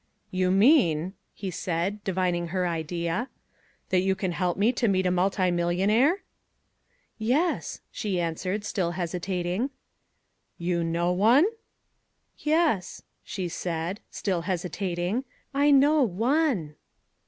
"You mean," he said, divining her idea, "that you can help me to meet a multimillionaire?" "Yes," she answered, still hesitating. "You know one?" "Yes," still hesitating, "I know ONE."